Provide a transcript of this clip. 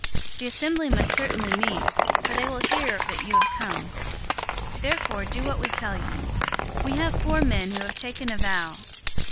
The assembly must certainly meet, for they will hear that you have come. 021:023 Therefore do what we tell you. We have four men who have taken a vow.